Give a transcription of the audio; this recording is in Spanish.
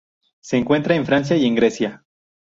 Se encuentra en Francia y Grecia.